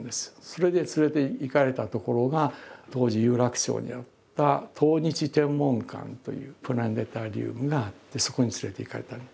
それで連れて行かれた所が当時有楽町にあった「東日天文館」というプラネタリウムがあってそこに連れて行かれた。